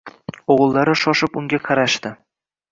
O‘g‘illari shoshib unga qarashdi